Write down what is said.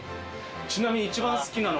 ちなみに。